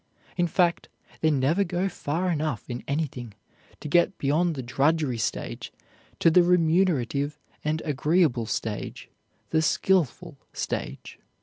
In fact, they never go far enough in anything to get beyond the drudgery stage to the remunerative and agreeable stage, the skilful stage.